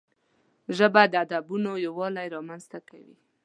ژبه د ادبونو یووالی رامنځته کوي